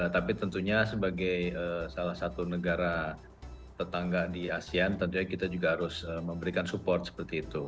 tapi tentunya sebagai salah satu negara tetangga di asean tentunya kita juga harus memberikan support seperti itu